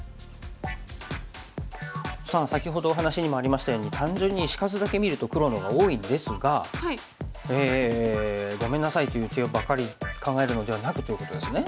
さあ先ほどお話にもありましたように単純に石数だけ見ると黒の方が多いんですが「ごめんなさい」という手ばかり考えるのではなくということですね。